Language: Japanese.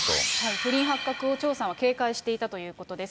不倫発覚を張さんは警戒していたということです。